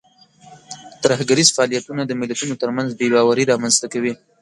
ترهګریز فعالیتونه د ملتونو ترمنځ بې باوري رامنځته کوي.